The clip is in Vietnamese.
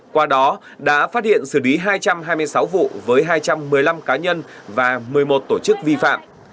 qua đó đã phát hiện xử lý hai trăm hai mươi sáu vụ với hai trăm một mươi năm cá nhân và một mươi một tổ chức vi phạm